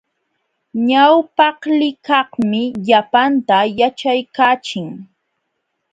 Ñawpaqlikaqmi llapanta yaćhaykaachin.